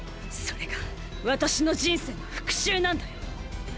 それが私の人生の復讐なんだよ！！